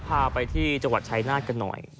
พาไปที่จังหวัดชายนาฏกันหน่อย